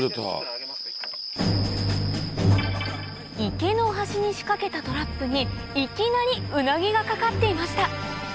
池の端に仕掛けたトラップにいきなりウナギがかかっていました